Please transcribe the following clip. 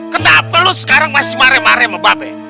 kenapa lo sekarang masih mare mare mbak be